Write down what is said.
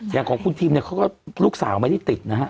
อย่างของคุณทีมเนี่ยเขาก็ลูกสาวไม่ได้ติดนะฮะ